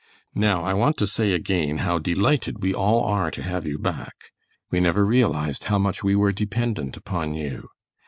Now I want to say again how delighted we all are to have you back. We never realized how much we were dependent upon you.